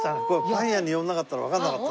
パン屋に寄らなかったらわかんなかった。